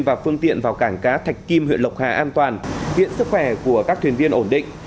và phương tiện vào cảng cá thạch kim huyện lộc hà an toàn hiện sức khỏe của các thuyền viên ổn định